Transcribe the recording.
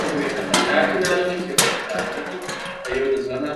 خبره مې رایاده کړه بس استاد یې په هکله څه و نه ویل.